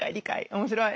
面白い。